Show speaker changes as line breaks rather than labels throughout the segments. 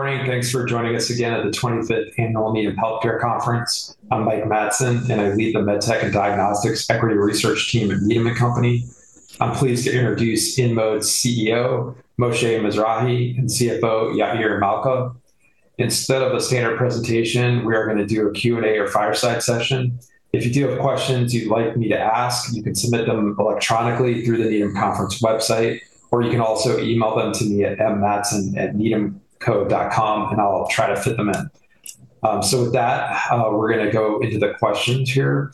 Good morning. Thanks for joining us again at the 25th Annual Needham Healthcare Conference. I'm Mike Matson, and I lead the MedTech and Diagnostics Equity Research team at Needham & Company. I'm pleased to introduce InMode's CEO, Moshe Mizrahy, and CFO, Yair Malca. Instead of a standard presentation, we are going to do a Q&A or fireside session. If you do have questions you'd like me to ask, you can submit them electronically through the Needham conference website, or you can also email them to me at mmatson@needhamco.com and I'll try to fit them in. With that, we're going to go into the questions here.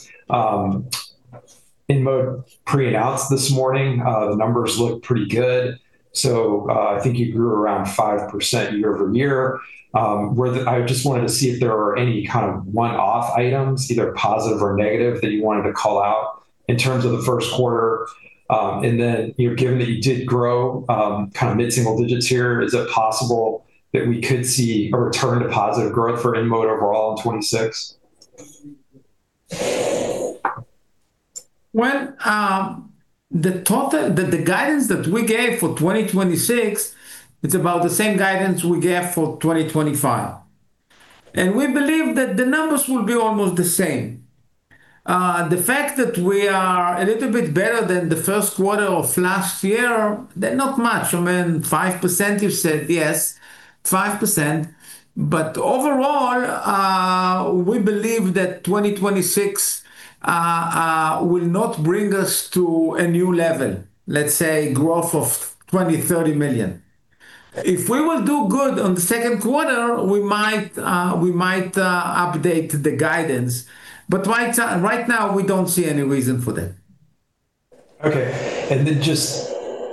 InMode pre-announced this morning. The numbers look pretty good. I think you grew around 5% year-over-year. I just wanted to see if there are any kind of one-off items, either positive or negative, that you wanted to call out in terms of the first quarter. Given that you did grow mid-single digits here, is it possible that we could see a return to positive growth for InMode overall in 2026?
Well, the guidance that we gave for 2026, it's about the same guidance we gave for 2025. We believe that the numbers will be almost the same. The fact that we are a little bit better than the first quarter of last year, they're not much. I mean, 5% you said, yes, 5%. Overall, we believe that 2026 will not bring us to a new level, let's say growth of $20 million-$30 million. If we will do good on the second quarter, we might update the guidance. Right now, we don't see any reason for that.
Okay. Just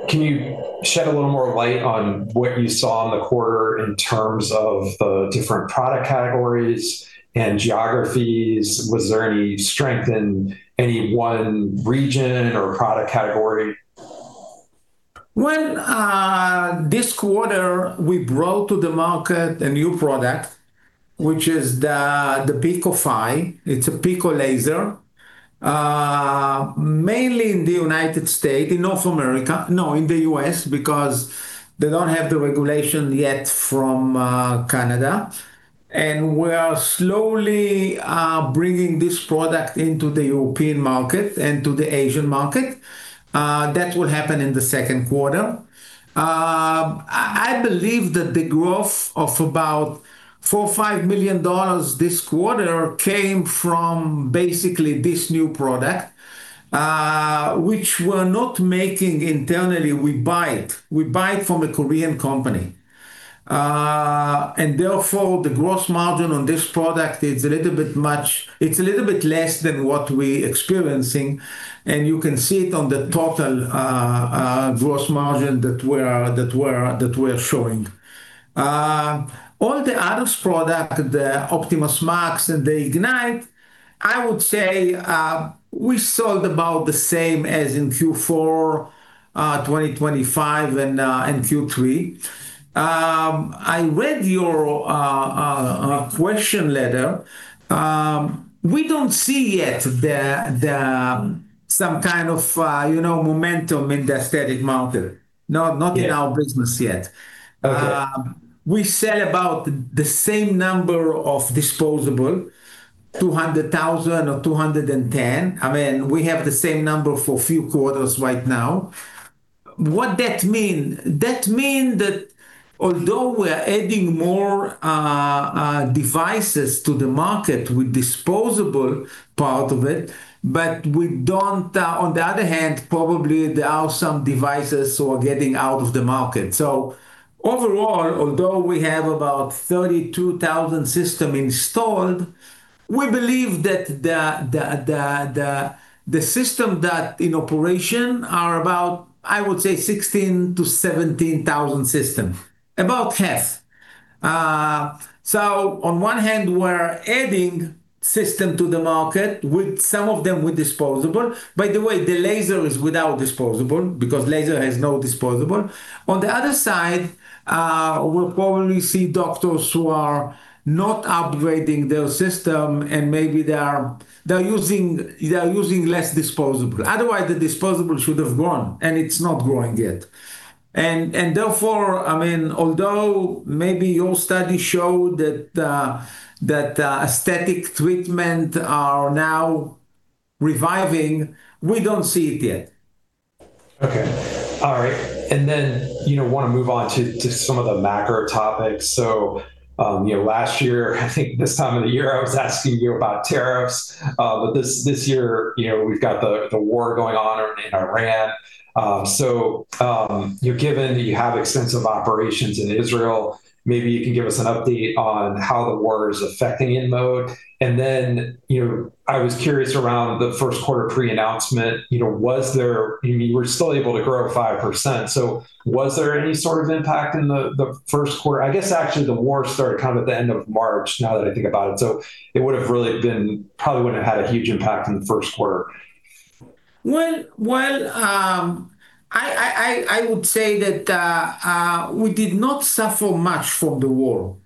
can you shed a little more light on what you saw in the quarter in terms of the different product categories and geographies? Was there any strength in any one region or product category?
Well, this quarter, we brought to the market a new product, which is the Picofy. It's a picolaser, mainly in the United States, in North America. No, in the US, because they don't have the regulation yet from Canada. And we are slowly bringing this product into the European market and to the Asian market. That will happen in the second quarter. I believe that the growth of about $4 million or $5 million this quarter came from basically this new product, which we're not making internally. We buy it. We buy it from a Korean company. And therefore, the gross margin on this product, it's a little bit less than what we're experiencing, and you can see it on the total gross margin that we're showing. All the other products, the Optimas Max and the IgniteRF, I would say, we sold about the same as in Q4 2025 and Q3. I read your question letter. We don't see yet some kind of momentum in the aesthetic market. No, not in our business yet.
Okay.
We sell about the same number of disposable, 200,000 or 210,000. I mean, we have the same number for a few quarters right now. What that mean? That mean that although we're adding more devices to the market with disposable part of it, on the other hand, probably there are some devices who are getting out of the market. Overall, although we have about 32,000 systems installed, we believe that the system that in operation are about, I would say, 16,000-17,000 systems, about half. On one hand, we're adding system to the market with some of them with disposable. By the way, the laser is without disposable because laser has no disposable. On the other side, we'll probably see doctors who are not upgrading their system and maybe they are using less disposable. Otherwise, the disposable should have grown, and it's not growing yet. Therefore, although maybe your study show that aesthetic treatment are now reviving, we don't see it yet.
Okay. All right. I want to move on to some of the macro topics. Last year, I think this time of the year, I was asking you about tariffs. This year, we've got the war going on in Iran. Given that you have extensive operations in Israel, maybe you can give us an update on how the war is affecting InMode. I was curious around the first quarter pre-announcement. You were still able to grow 5%, so was there any sort of impact in the first quarter? I guess actually the war started at the end of March, now that I think about it. It probably wouldn't have had a huge impact in the first quarter.
Well, I would say that we did not suffer much from the war.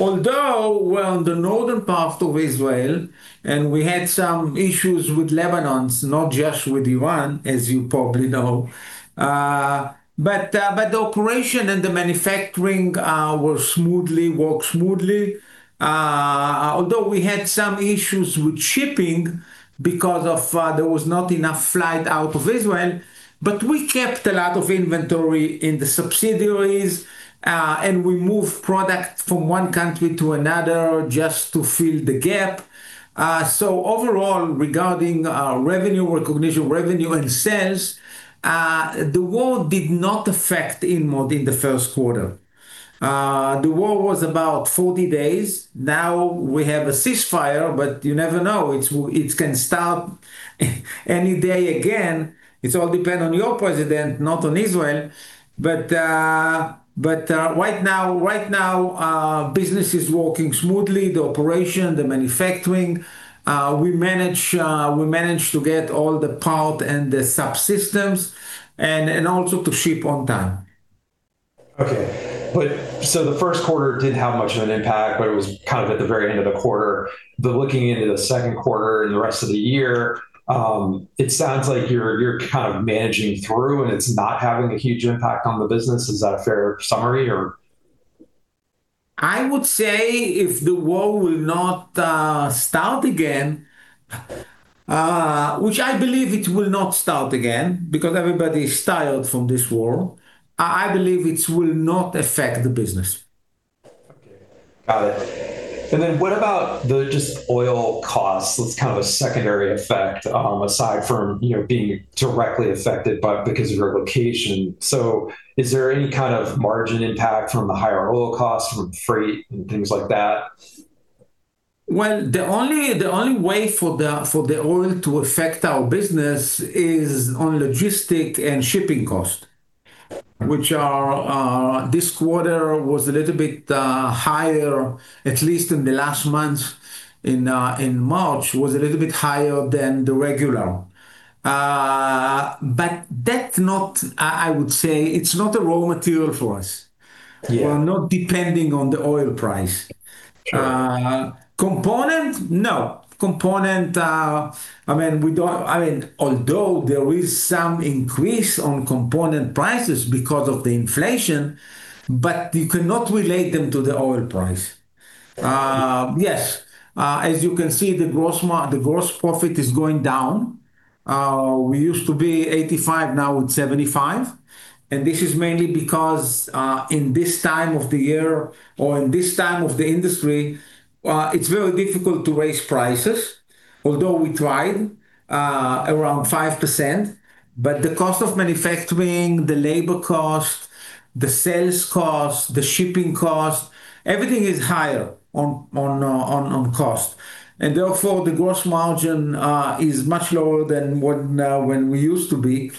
Although we're on the northern part of Israel, and we had some issues with Lebanon, not just with Iran, as you probably know, but the operation and the manufacturing worked smoothly. Although we had some issues with shipping because there was not enough flight out of Israel, but we kept a lot of inventory in the subsidiaries, and we moved product from one country to another just to fill the gap. Overall, regarding our revenue recognition, revenue, and sales, the war did not affect InMode in the first quarter. The war was about 40 days. Now we have a ceasefire, but you never know. It can start any day again. It all depend on your President, not on Israel. Right now business is working smoothly, the operation, the manufacturing. We managed to get all the parts and the subsystems, and also to ship on time.
Okay. The first quarter didn't have much of an impact, but it was kind of at the very end of the quarter. Looking into the second quarter and the rest of the year, it sounds like you're kind of managing through, and it's not having a huge impact on the business. Is that a fair summary?
I would say if the war will not start again, which I believe it will not start again because everybody is tired from this war, I believe it will not affect the business.
Okay. Got it. What about just oil costs? That's kind of a secondary effect, aside from being directly affected because of your location. Is there any kind of margin impact from the higher oil costs from freight and things like that?
Well, the only way for the oil to affect our business is on logistics and shipping cost, which this quarter was a little bit higher, at least in the last month, in March, was a little bit higher than the regular. I would say it's not a raw material for us.
Yeah.
We're not depending on the oil price.
Sure.
Component, no. Although there is some increase on component prices because of the inflation, but you cannot relate them to the oil price.
Okay.
Yes. As you can see, the gross profit is going down. We used to be 85%, now it's 75%, and this is mainly because, in this time of the year or in this time of the industry, it's very difficult to raise prices, although we tried around 5%. The cost of manufacturing, the labor cost, the sales cost, the shipping cost, everything is higher on cost, and therefore the gross margin is much lower than when we used to be.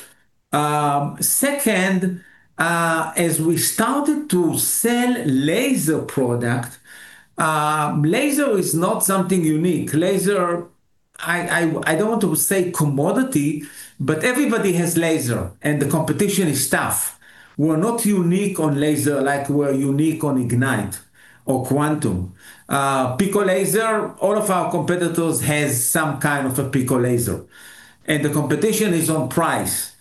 Second, as we started to sell laser product, laser is not something unique. Laser, I don't want to say commodity, but everybody has laser, and the competition is tough. We're not unique on laser like we're unique on IgniteRF or QuantumRF. Pico laser, all of our competitors has some kind of a pico laser, and the competition is on price.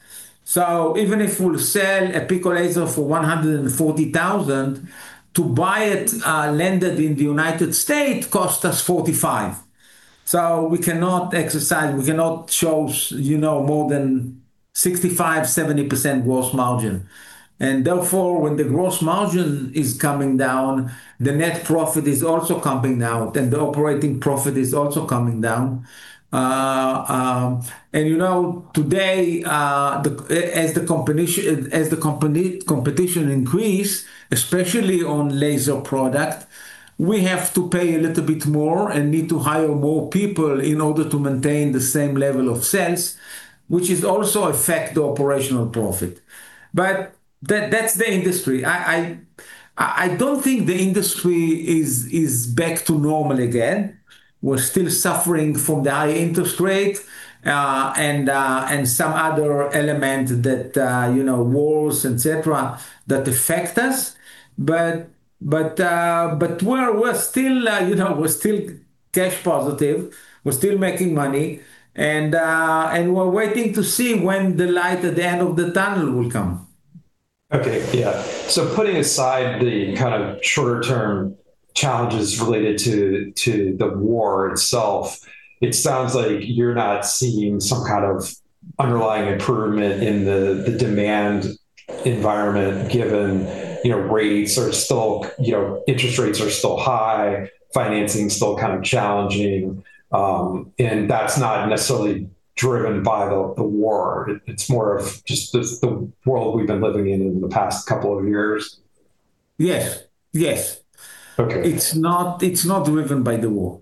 Even if we'll sell a Pico laser for $140,000, to buy it landed in the United States costs us $45,000. We cannot exercise, we cannot show more than 65%-70% gross margin. Therefore, when the gross margin is coming down, the net profit is also coming down, then the operating profit is also coming down. Today, as the competition increase, especially on laser product, we have to pay a little bit more and need to hire more people in order to maintain the same level of sales, which is also affect the operational profit. That's the industry. I don't think the industry is back to normal again. We're still suffering from the high interest rate, and some other element that, wars, et cetera, that affect us. We're still cash positive. We're still making money, and we're waiting to see when the light at the end of the tunnel will come.
Okay. Yeah. Putting aside the kind of shorter-term challenges related to the war itself, it sounds like you're not seeing some kind of underlying improvement in the demand environment, given interest rates are still high, financing's still kind of challenging, and that's not necessarily driven by the war. It's more of just the world we've been living in in the past couple of years.
Yes.
Okay.
It's not driven by the war.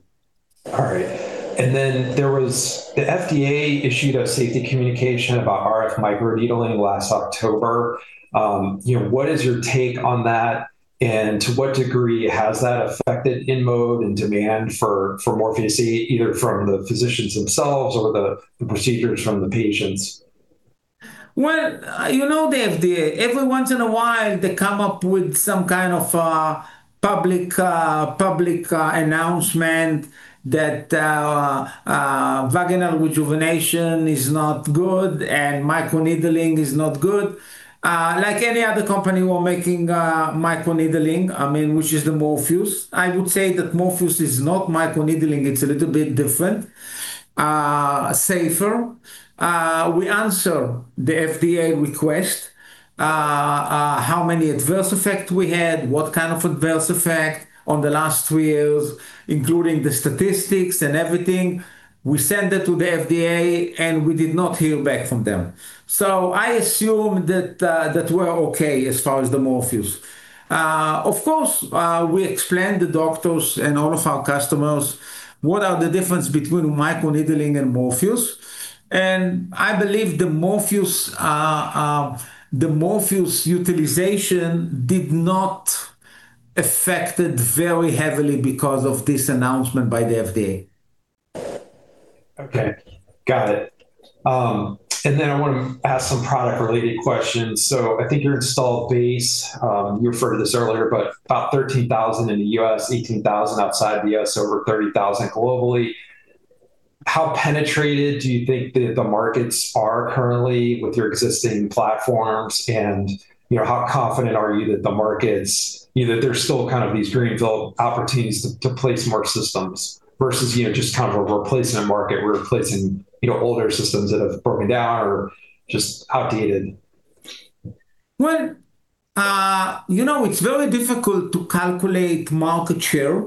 All right. The FDA issued a safety communication about RF microneedling last October. What is your take on that, and to what degree has that affected InMode and demand for Morpheus8, either from the physicians themselves or the procedures from the patients?
Well, you know the FDA, every once in a while, they come up with some kind of public announcement that vaginal rejuvenation is not good and microneedling is not good. Like any other company, we're making microneedling, which is the Morpheus8. I would say that Morpheus8 is not microneedling. It's a little bit different, safer. We answer the FDA request, how many adverse effect we had, what kind of adverse effect on the last three years, including the statistics and everything. We send it to the FDA, and we did not hear back from them. I assume that we're okay as far as the Morpheus8. Of course, we explained the doctors and all of our customers what are the difference between microneedling and Morpheus8, and I believe the Morpheus8 utilization did not affected very heavily because of this announcement by the FDA.
Okay. Got it. I want to ask some product-related questions. I think your installed base, you referred to this earlier, but about 13,000 in the U.S., 18,000 outside the U.S., over 30,000 globally. How penetrated do you think the markets are currently with your existing platforms? How confident are you that the markets, there's still these greenfield opportunities to place more systems versus just a replacement market, replacing older systems that have broken down or just outdated?
Well, it's very difficult to calculate market share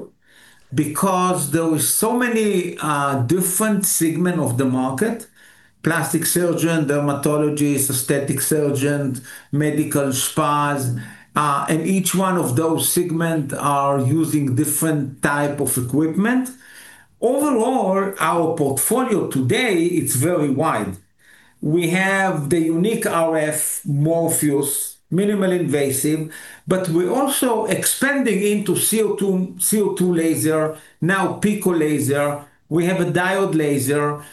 because there is so many different segment of the market, plastic surgeon, dermatologist, aesthetic surgeon, medical spas, and each one of those segment are using different type of equipment. Overall, our portfolio today, it's very wide. We have the unique RF Morpheus8, minimally invasive, but we're also expanding into CO2 laser, now Pico laser. We have a diode laser.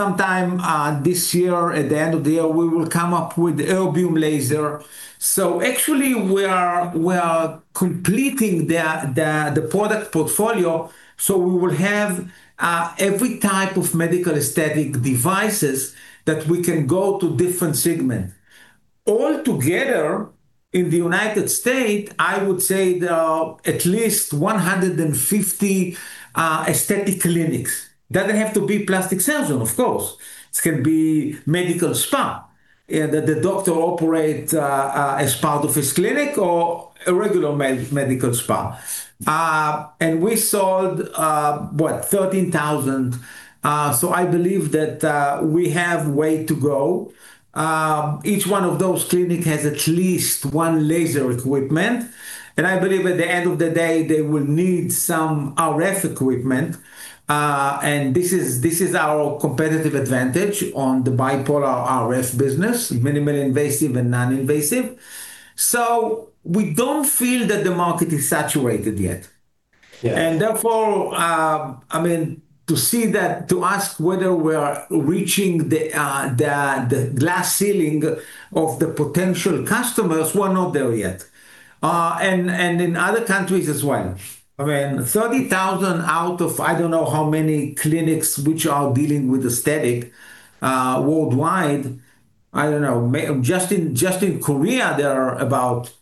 Sometime this year, at the end of the year, we will come up with Erbium laser. Actually, we are completing the product portfolio, so we will have every type of medical aesthetic devices that we can go to different segment. Altogether, in the United States, I would say there are at least 150 aesthetic clinics. Doesn't have to be plastic surgeon, of course. It can be medical spa that the doctor operate as part of his clinic or a regular medical spa. We sold, what, 13,000. I believe that we have way to go. Each one of those clinic has at least one laser equipment. I believe at the end of the day, they will need some RF equipment. This is our competitive advantage on the bipolar RF business, minimally invasive and non-invasive. We don't feel that the market is saturated yet.
Yeah.
Therefore, to ask whether we are reaching the glass ceiling of the potential customers, we're not there yet, and in other countries as well. 30,000 out of I don't know how many clinics which are dealing with aesthetic worldwide, I don't know. Just in Korea, there are about,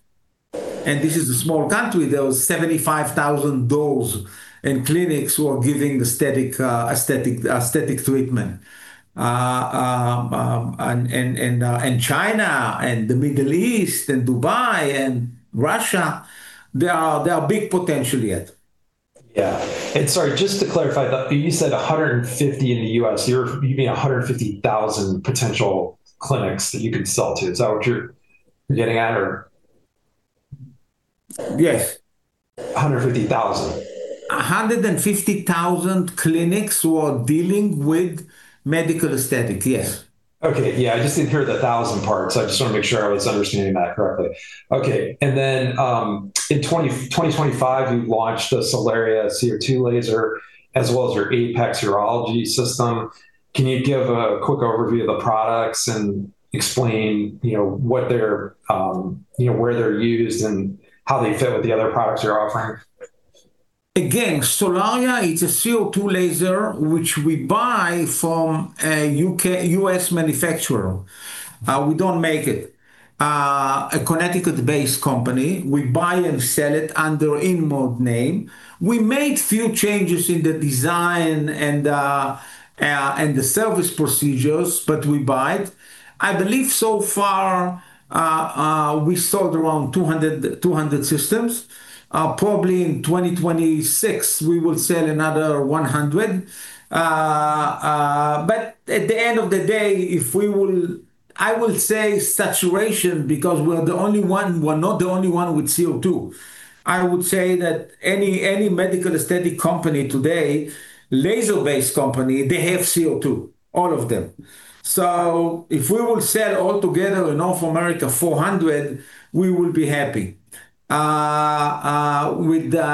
this is a small country, there are 75,000 doors and clinics who are giving aesthetic treatment. China and the Middle East and Dubai and Russia, there are big potential yet.
Yeah. Sorry, just to clarify, you said 150 in the U.S. You mean 150,000 potential clinics that you could sell to. Is that what you're getting at?
Yes.
150,000.
150,000 clinics who are dealing with medical aesthetic, yes.
Okay. Yeah. I just didn't hear the thousand part, so I just want to make sure I was understanding that correctly. Okay. In 2025, you launched the Solaria CO2 laser as well as your ApexRF Urology system. Can you give a quick overview of the products and explain where they're used and how they fit with the other products you're offering?
Again, Solaria, it's a CO2 laser, which we buy from a U.S. manufacturer. We don't make it. A Connecticut-based company. We buy and sell it under InMode name. We made few changes in the design and the service procedures, but we buy it. I believe so far, we sold around 200 systems. Probably in 2026, we will sell another 100. At the end of the day, I will say saturation because we are the only one. We're not the only one with CO2. I would say that any medical aesthetic company today, laser-based company, they have CO2, all of them. If we will sell all together in North America 400, we will be happy. With the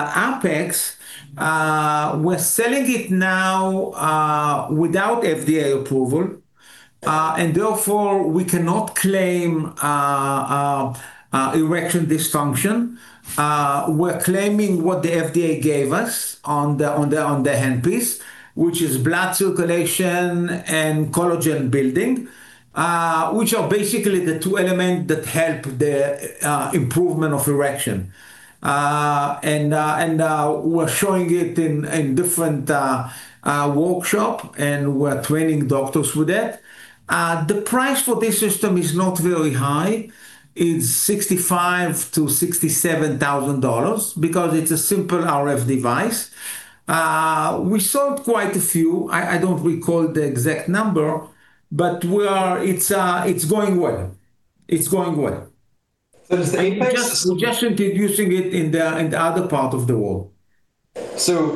ApexRF, we're selling it now without FDA approval. Therefore, we cannot claim erectile dysfunction. We're claiming what the FDA gave us on the handpiece, which is blood circulation and collagen building, which are basically the two elements that help the improvement of erection. We're showing it in different workshop, and we're training doctors with that. The price for this system is not very high. It's $65,000-$67,000 because it's a simple RF device. We sold quite a few. I don't recall the exact number, but it's going well.
Does the ApexRF.
We're just introducing it in the other part of the world.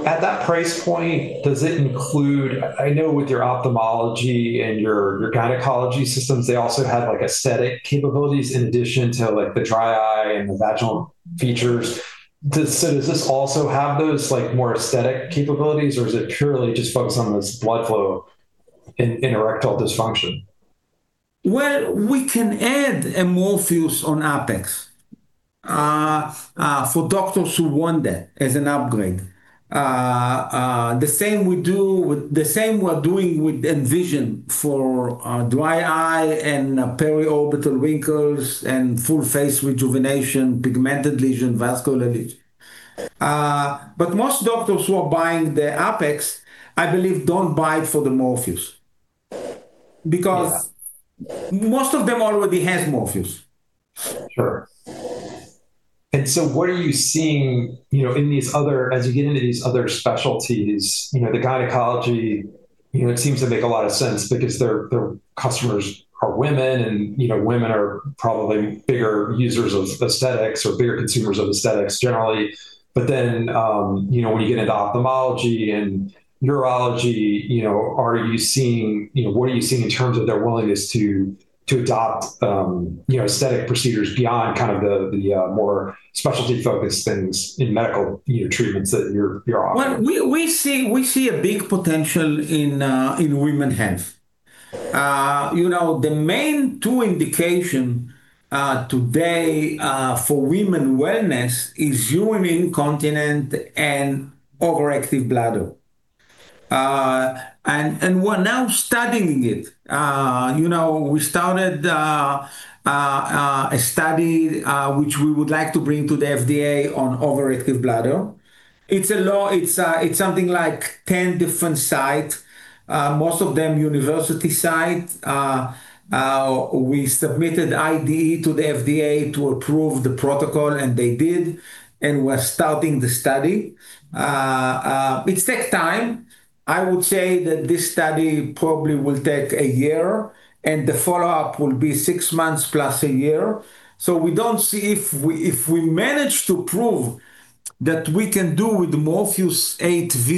At that price point, I know with your ophthalmology and your gynecology systems, they also have aesthetic capabilities in addition to the dry eye and the vaginal features. Does this also have those more aesthetic capabilities, or is it purely just focused on this blood flow in erectile dysfunction?
Well, we can add a Morpheus8 on ApexRF for doctors who want that as an upgrade. It's the same we're doing with Envision for dry eye and periorbital wrinkles and full-face rejuvenation, pigmented lesion, vascular lesion. Most doctors who are buying the ApexRF, I believe, don't buy it for the Morpheus8.
Yeah
Most of them already has Morpheus8.
Sure. What are you seeing as you get into these other specialties? The gynecology, it seems to make a lot of sense because their customers are women, and women are probably bigger users of aesthetics or bigger consumers of aesthetics generally. When you get into ophthalmology and urology, what are you seeing in terms of their willingness to adopt aesthetic procedures beyond kind of the more specialty-focused things in medical treatments that you're offering?
Well, we see a big potential in women health. The main two indication today for women wellness is urinary incontinence and overactive bladder. We're now studying it. We started a study, which we would like to bring to the FDA on overactive bladder. It's something like 10 different site, most of them university site. We submitted IDE to the FDA to approve the protocol, and they did, and we're starting the study. It takes time. I would say that this study probably will take a year, and the follow-up will be six months plus a year. If we manage to prove that we can do with Morpheus8V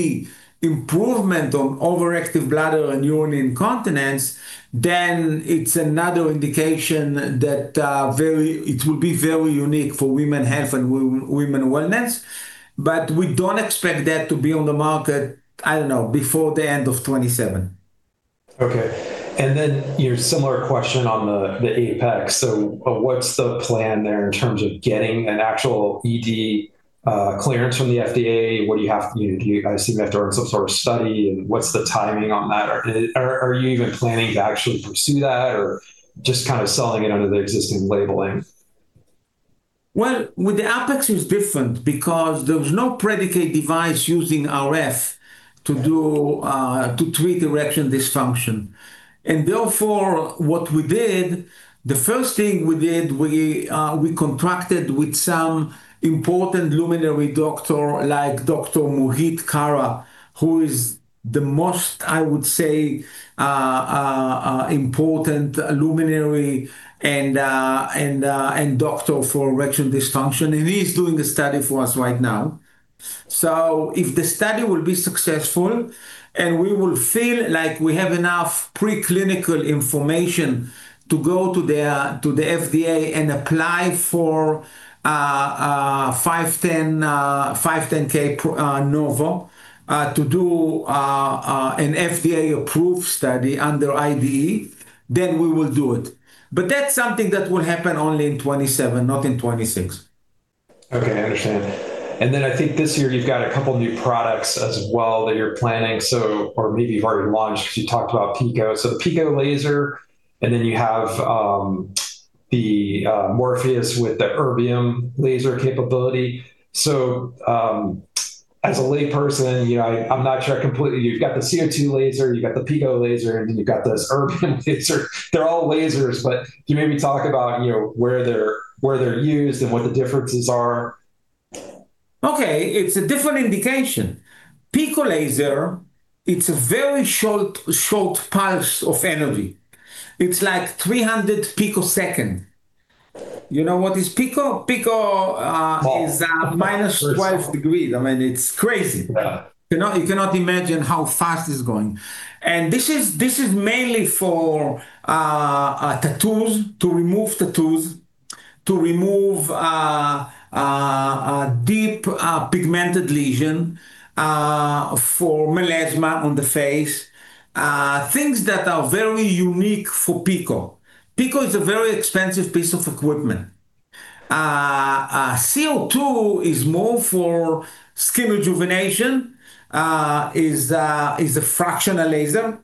improvement on overactive bladder and urinary incontinence, then it's another indication that it will be very unique for women health and women wellness. We don't expect that to be on the market, I don't know, before the end of 2027.
Okay. Similar question on the ApexRF. What's the plan there in terms of getting an actual ED clearance from the FDA? Do you guys think they have to run some sort of study, and what's the timing on that? Are you even planning to actually pursue that or just kind of selling it under the existing labeling?
Well, with the ApexRF, it's different because there was no predicate device using RF to treat erectile dysfunction. Therefore, what we did, the first thing we did, we contracted with some important luminary doctor, like Dr. Mohit Khera, who is the most, I would say, important luminary and doctor for erectile dysfunction. He's doing a study for us right now. If the study will be successful, and we will feel like we have enough preclinical information to go to the FDA and apply for a 510(k) de Novo to do an FDA-approved study under IDE, then we will do it. That's something that will happen only in 2027, not in 2026.
Okay, I understand. I think this year you've got a couple new products as well that you're planning. Maybe you've already launched, because you talked about Pico. Pico laser, and then you have the Morpheus8 with the Erbium laser capability. As a lay person, I'm not sure completely. You've got the CO2 laser, you've got the Pico laser, and then you've got this Erbium laser. They're all lasers, but can you maybe talk about where they're used and what the differences are?
Okay. It's a different indication. Pico laser, it's a very short pulse of energy. It's like 300 picosecond. You know what is pico?
Small
It is -12 degrees. It's crazy.
Yeah.
You cannot imagine how fast it's going. This is mainly for tattoos, to remove tattoos, to remove a deep pigmented lesion, for melasma on the face, things that are very unique for Pico. Pico is a very expensive piece of equipment. CO2 is more for skin rejuvenation, is a fractional laser,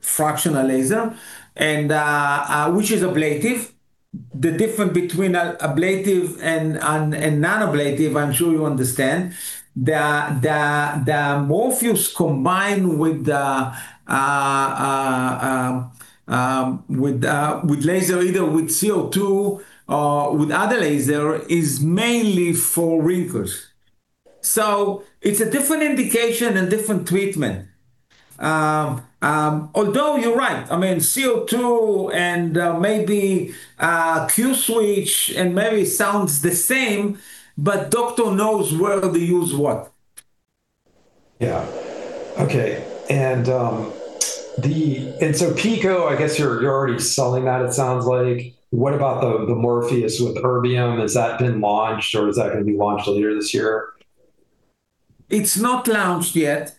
which is ablative. The difference between ablative and non-ablative, I'm sure you understand. The Morpheus8 combined with laser, either with CO2 or with other laser, is mainly for wrinkles. It's a different indication and different treatment. Although you're right, CO2 and maybe Q-switched, and maybe sounds the same, but doctor knows where to use what.
Yeah. Okay. Pico, I guess you're already selling that it sounds like. What about the Morpheus8 with Erbium? Has that been launched or is that going to be launched later this year?
It's not launched yet.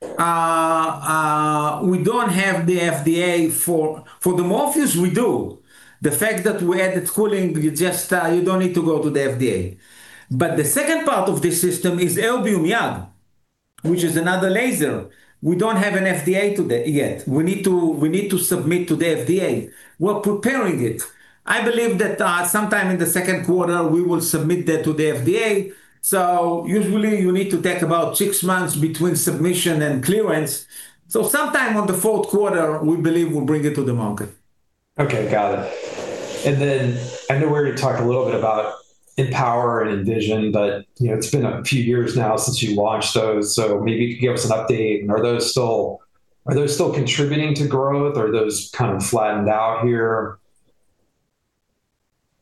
We don't have the FDA. For the Morpheus8, we do. The fact that we added cooling, you don't need to go to the FDA. The second part of this system is Erbium YAG, which is another laser. We don't have an FDA yet. We need to submit to the FDA. We're preparing it. I believe that sometime in the second quarter, we will submit that to the FDA. Usually you need to take about six months between submission and clearance. Sometime on the fourth quarter, we believe we'll bring it to the market.
Okay, got it. I know we already talked a little bit about EmpowerRF and Envision, but it's been a few years now since you launched those, so maybe you could give us an update. Are those still contributing to growth? Are those kind of flattened out here?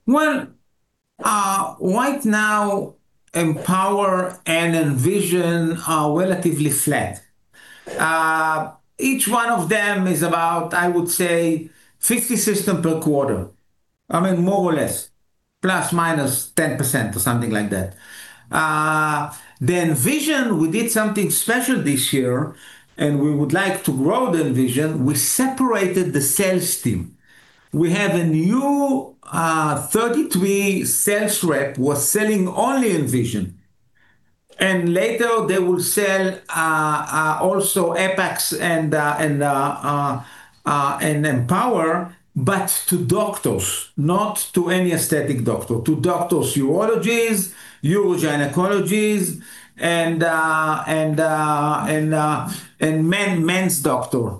Well, right now, EmpowerRF and Envision are relatively flat. Each one of them is about, I would say, 50 system per quarter, more or less, ±10% or something like that. The Envision, we did something special this year, and we would like to grow the Envision. We separated the sales team. We have a new 33 sales rep who was selling only Envision. Later they will sell, also ApexRF and EmpowerRF, but to doctors, not to any aesthetic doctor, to doctors, urologists, urogynecologists, and men's doctor,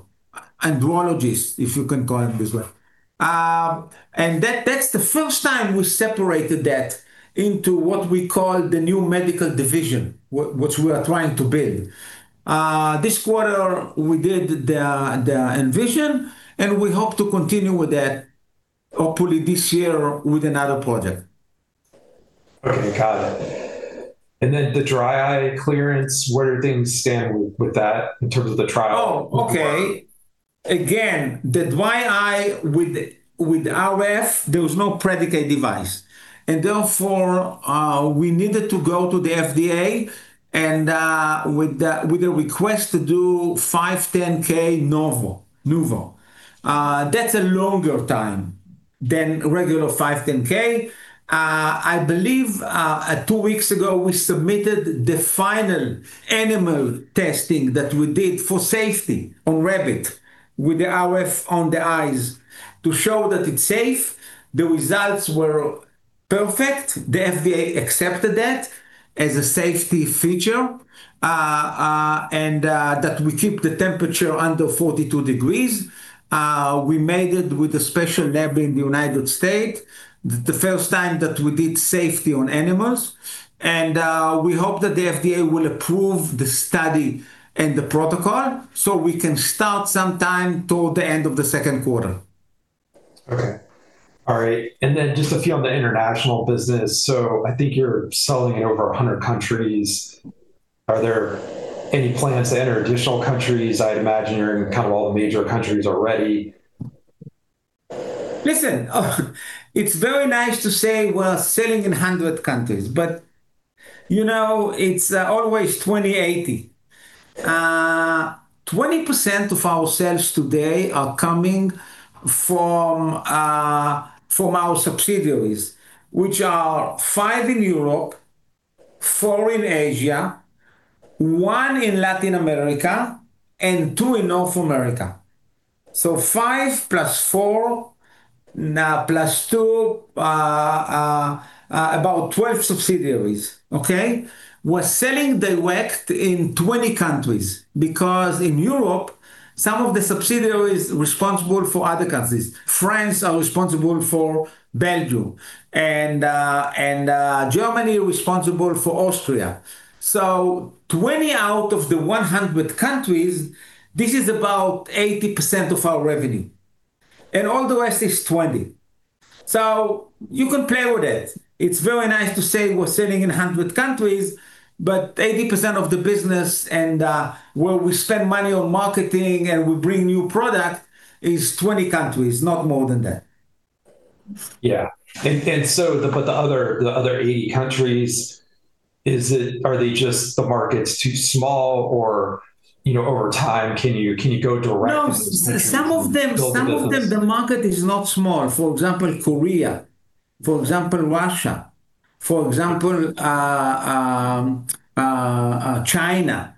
andrologists, if you can call him this way. That's the first time we separated that into what we call the new medical division, what we are trying to build. This quarter, we did the Envision, and we hope to continue with that, hopefully this year with another project.
Okay, got it. The dry eye clearance, where do things stand with that in terms of the trial?
Oh, okay. Again, the dry eye with RF, there was no predicate device. Therefore, we needed to go to the FDA and with a request to do 510(k) De Novo. That's a longer time than a regular 510(k). I believe, two weeks ago, we submitted the final animal testing that we did for safety on rabbit, with the RF on the eyes to show that it's safe. The results were perfect. The FDA accepted that as a safety feature, and that we keep the temperature under 42 degrees. We made it with a special lab in the United States, the first time that we did safety on animals. We hope that the FDA will approve the study and the protocol so we can start sometime toward the end of the second quarter.
Okay. All right. Just a few on the international business. I think you're selling in over 100 countries. Are there any plans to enter additional countries? I'd imagine you're in kind of all the major countries already.
Listen, it's very nice to say we're selling in 100 countries, but it's always 20/80. 20% of our sales today are coming from our subsidiaries, which are five in Europe, four in Asia, one in Latin America, and two in North America. 5 + 4 now + 2, about 12 subsidiaries. Okay? We're selling direct in 20 countries because in Europe, some of the subsidiaries responsible for other countries. France are responsible for Belgium, and Germany are responsible for Austria. 20 out of the 100 countries, this is about 80% of our revenue, and all the rest is 20%. You can play with it. It's very nice to say we're selling in 100 countries, but 80% of the business and where we spend money on marketing and we bring new product is 20 countries, not more than that.
Yeah. The other 80 countries, are just the markets too small, or over time, can you go directly to those countries and build a business?
No. Some of them, the market is not small, for example, Korea, for example, Russia, for example, China,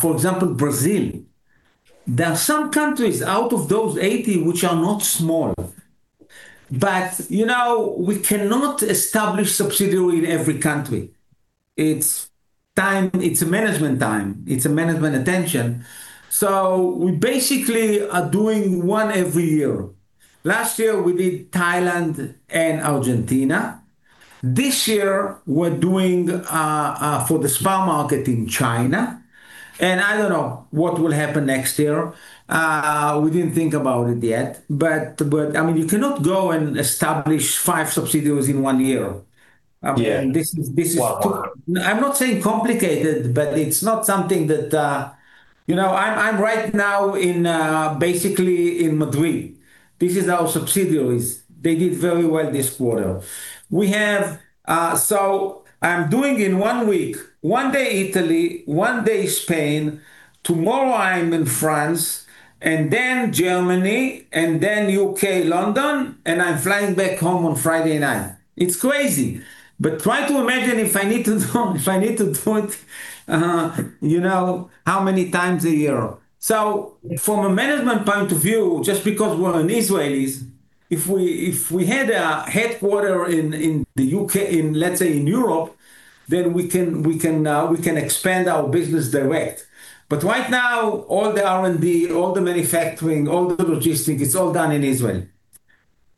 for example, Brazil. There are some countries out of those 80 which are not small. We cannot establish subsidiary in every country. It's management time, it's management attention. We basically are doing one every year. Last year, we did Thailand and Argentina. This year, we're doing for the spa market in China, and I don't know what will happen next year. We didn't think about it yet. You cannot go and establish five subsidiaries in one year.
Yeah.
This is.
It's a lot of work.
I'm not saying complicated, but it's not something that... I'm right now basically in Madrid. This is our subsidiaries. They did very well this quarter. So I'm doing in one week, one day Italy, one day Spain, tomorrow I'm in France, and then Germany, and then U.K., London, and I'm flying back home on Friday night. It's crazy. But try to imagine if I need to do it how many times a year. So from a management point of view, just because we're in Israelis, if we had a headquarter in the U.K., let's say in Europe, then we can expand our business direct. But right now, all the R&D, all the manufacturing, all the logistics, it's all done in Israel.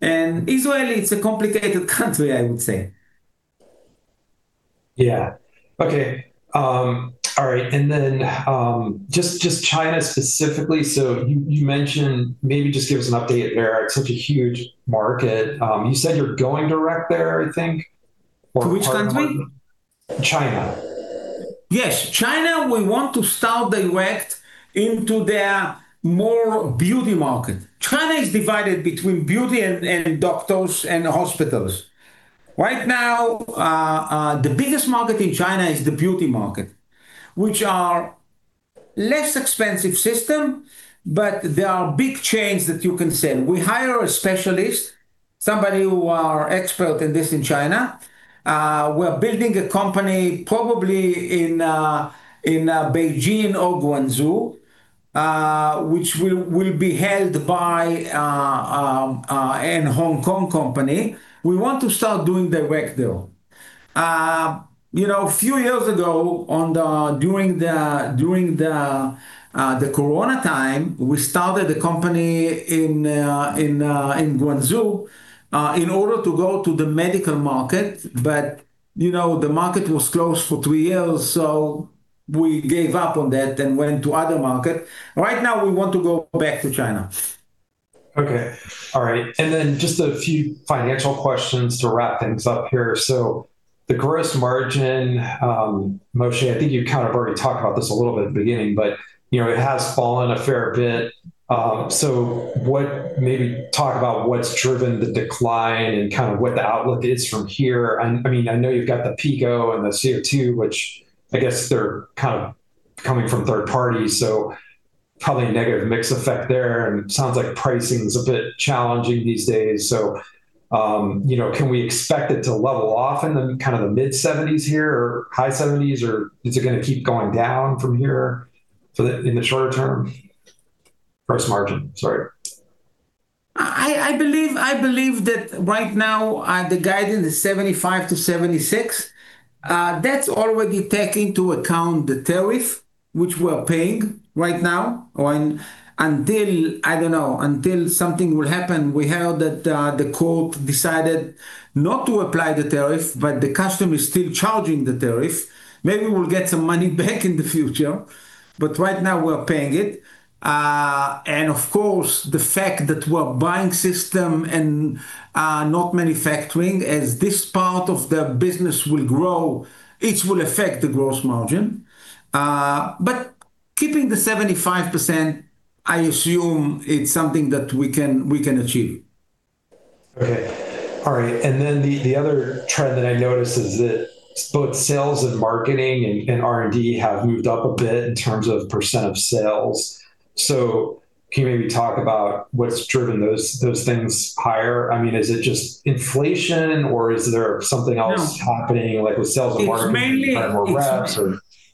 And Israel, it's a complicated country, I would say.
Yeah. Okay. All right. Just China specifically, you mentioned, maybe just give us an update there. It's such a huge market. You said you're going direct there, I think, or partnering?
To which country?
China.
Yes. China, we want to start direct into their more beauty market. China is divided between beauty and doctors and hospitals. Right now, the biggest market in China is the beauty market, which are less expensive system, but there are big chains that you can sell. We hire a specialist, somebody who are expert in this in China. We're building a company probably in Beijing or Guangzhou, which will be held by an Hong Kong company. We want to start doing direct there. A few years ago during the COVID time, we started a company in Guangzhou, in order to go to the medical market. The market was closed for two years, so we gave up on that and went to other market. Right now, we want to go back to China.
Okay. All right. Just a few financial questions to wrap things up here. The gross margin, Moshe, I think you've kind of already talked about this a little bit at the beginning, but it has fallen a fair bit. Maybe talk about what's driven the decline and kind of what the outlook is from here. I know you've got the Pico and the CO2, which I guess they're coming from third party, so probably a negative mix effect there, and sounds like pricing's a bit challenging these days. Can we expect it to level off in the mid-70s% here or high 70s%, or is it going to keep going down from here in the shorter term? Gross margin, sorry.
I believe that right now, the guidance is 75%-76%. That's already take into account the tariff which we're paying right now, until, I don't know, until something will happen. We heard that the court decided not to apply the tariff, but the customs is still charging the tariff. Maybe we'll get some money back in the future, but right now we're paying it. Of course, the fact that we're buying system and not manufacturing, as this part of the business will grow, it will affect the gross margin. Keeping the 75%, I assume it's something that we can achieve.
Okay. All right. The other trend that I noticed is that both sales and marketing and R&D have moved up a bit in terms of percent sales. Can you maybe talk about what's driven those things higher? Is it just inflation or is there something else happening, like with sales and marketing, you're hiring more reps?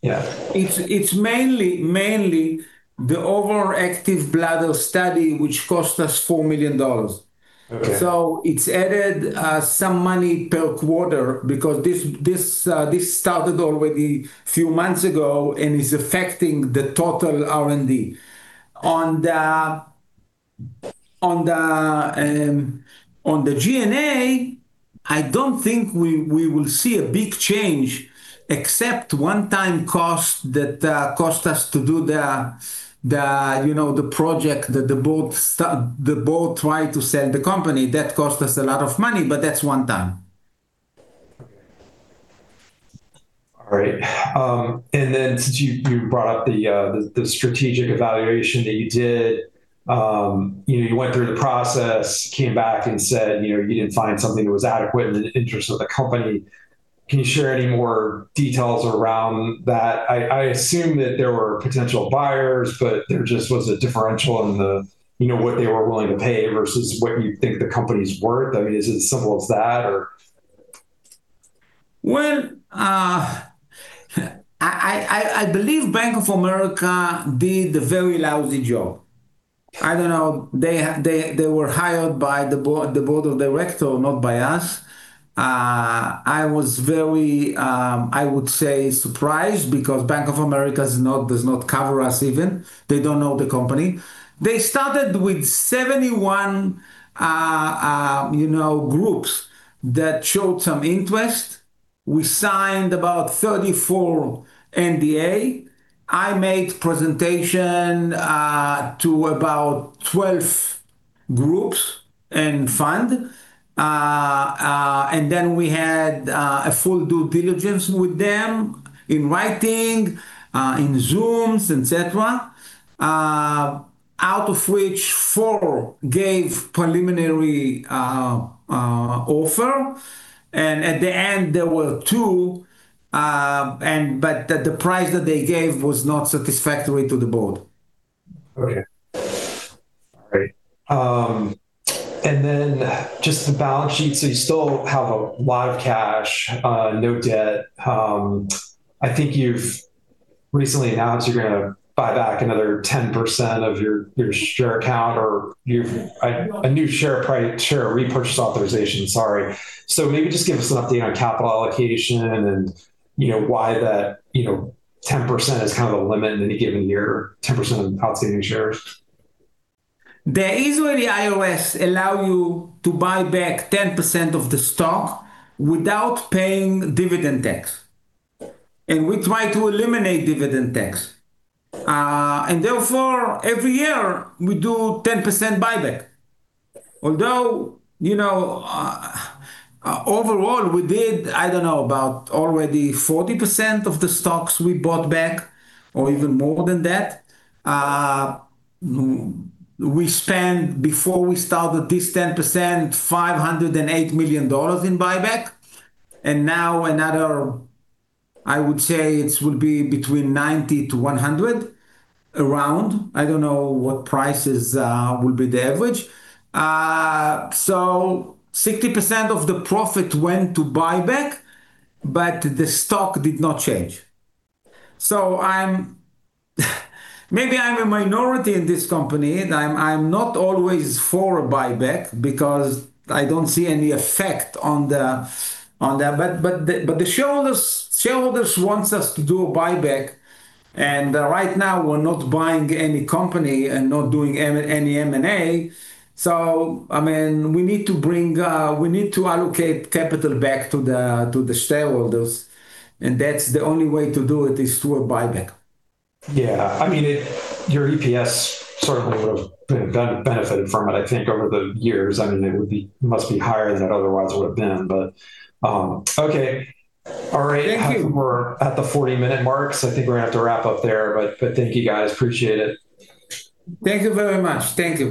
It's mainly the overactive bladder study, which cost us $4 million.
Okay.
It's added some money per quarter because this started already few months ago and is affecting the total R&D. On the G&A, I don't think we will see a big change except one-time cost that cost us to do the project that the board tried to sell the company. That cost us a lot of money, but that's one time.
All right. Since you brought up the strategic evaluation that you did, you went through the process, came back and said you didn't find something that was adequate in the interest of the company. Can you share any more details around that? I assume that there were potential buyers, but there just was a differential in what they were willing to pay versus what you think the company's worth. I mean, is it as simple as that?
Well, I believe Bank of America did a very lousy job. I don't know. They were hired by the Board of Directors, not by us. I was very, I would say, surprised because Bank of America does not cover us, even. They don't know the company. They started with 71 groups that showed some interest. We signed about 34 NDA. I made presentation to about 12 groups and fund. We had a full due diligence with them in writing, in Zooms, et cetera, out of which four gave preliminary offer, and at the end, there were two, but the price that they gave was not satisfactory to the Board.
Okay. All right. Just the balance sheet. You still have a lot of cash, no debt. I think you've recently announced you're going to buy back another 10% of your share count, or a new share repurchase authorization, sorry. Maybe just give us an update on capital allocation and why that 10% is kind of a limit any given year, 10% of outstanding shares.
The Israeli [IOS] allow you to buy back 10% of the stock without paying dividend tax. We try to eliminate dividend tax. Therefore, every year we do 10% buyback. Although, overall, we did, I don't know, about already 40% of the stocks we bought back or even more than that. We spent, before we started this 10%, $508 million in buyback, and now another, I would say, it would be between $90 million-$100 million around. I don't know what prices will be the average. 60% of the profit went to buyback, but the stock did not change. Maybe I'm a minority in this company, and I'm not always for a buyback because I don't see any effect on that. The shareholders want us to do a buyback, and right now we're not buying any company and not doing any M&A. I mean, we need to allocate capital back to the shareholders, and that's the only way to do it is through a buyback.
Yeah. I mean, your EPS certainly would've benefited from it, I think, over the years. I mean, it must be higher than it otherwise would've been, but okay. All right.
Thank you.
We're at the 40-minute mark, so I think we're going to have to wrap up there, but thank you, guys. I appreciate it.
Thank you very much. Thank you.